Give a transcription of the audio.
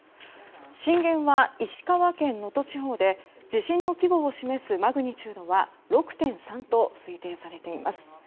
震源は石川県能登地方で地震の規模を示すマグニチュードは６．３と推定されています。